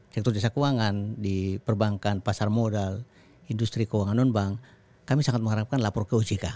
sektor jasa keuangan di perbankan pasar modal industri keuangan non bank kami sangat mengharapkan lapor ke ojk